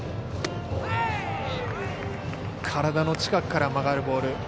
体の近くから曲がるボール。